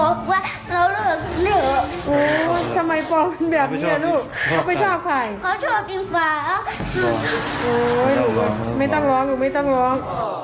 โอ้โฮลูกไม่ต้องร้องลูกไม่ต้องร้อง